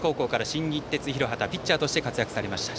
新日鉄広畑ピッチャーとして活躍されました